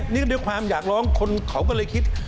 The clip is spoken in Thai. นี่ด้วยความอยากร้องคนเขาก็เลยคิด